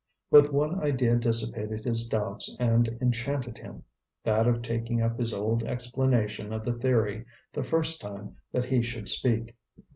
But one idea dissipated his doubts and enchanted him that of taking up his old explanation of the theory the first time that he should speak.